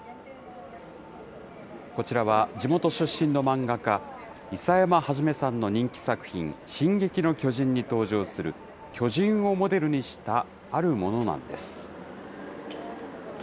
こちらは地元出身の漫画家、諌山創さんの人気作品、進撃の巨人に登場する巨人をモデルにしたあるものなんです。